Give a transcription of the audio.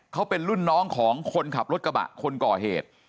เขาเป็นรุ่นน้องของคนขับรถกระบะคนก่อเหตุ